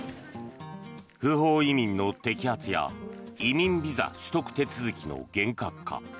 不法移民の摘発や移民ビザ取得手続きの厳格化